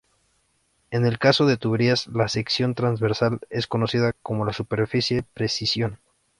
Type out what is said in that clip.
En el caso de tuberías, la sección transversal es conocida con la suficiente precisión.